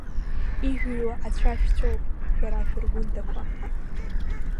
Ижәыҩуа ацәа шәцәоуп, шәара ашәыргәындақәа.